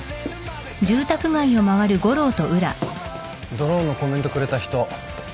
ドローンのコメントくれた人どうだった？